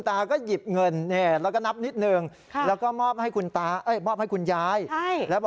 ถ่ายรูปเลยถ่ายรูปไว้นะครับ